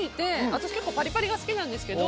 私、結構パリパリが好きなんですけど